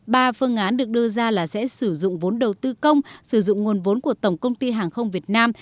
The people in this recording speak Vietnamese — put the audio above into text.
ba phương án được đưa ra là sẽ sử dụng vốn đầu tư công sử dụng nguồn vốn của tổng công ty hàng không việt nam